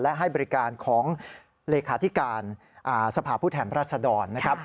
และให้บริการของเลขาธิการสภาพผู้แทนรัศดรนะครับ